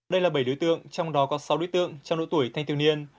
đây là bảy đối tượng trong đó có sáu đối tượng trong độ tuổi thanh thiếu niên